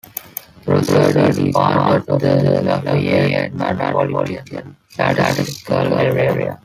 Broussard is part of the Lafayette Metropolitan Statistical Area.